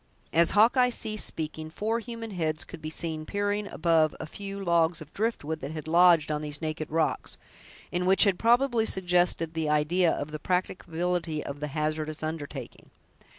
As Hawkeye ceased speaking, four human heads could be seen peering above a few logs of drift wood that had lodged on these naked rocks, and which had probably suggested the idea of the practicability of the hazardous undertaking.